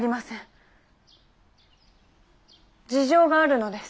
事情があるのです。